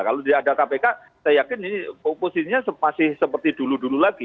kalau dianggap kpk saya yakin ini posisinya masih seperti dulu dulu lagi